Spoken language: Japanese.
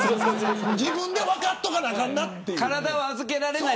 自分で分かっとかなあかんなと。